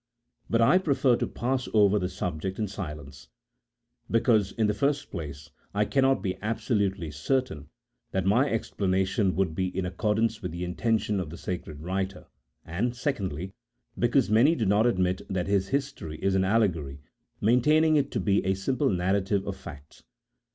But I prefer to pass over the subject in silence, because, in the first place, I cannot be absolutely certain that my explana tion would be in accordance with the intention of the sacred writer ; and, secondly, because many do not admit that this history is an allegory, maintaining it to be a simple narrative of facts.